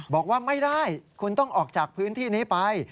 บอกว่าไม่ได้คุณต้องออกจากพื้นที่นี้ไป